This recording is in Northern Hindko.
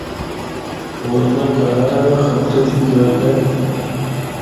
ورنہ کَہلا رہنڑا خطرہ دی گل اے۔